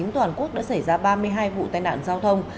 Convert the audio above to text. toàn quốc đã xảy ra ba mươi hai vụ tai nạn giao thông